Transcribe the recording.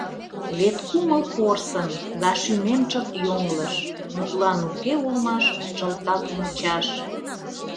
Вет кумыл порсын, да шӱмем чылт йоҥлыш, Мутлан уке улмаш чылтак мучаш.